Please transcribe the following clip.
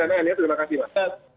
terima kasih banget